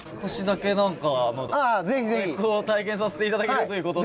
何か太鼓を体験させていただけるということで。